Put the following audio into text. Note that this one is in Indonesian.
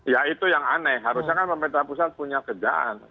ya itu yang aneh harusnya kan pemerintah pusat punya kerjaan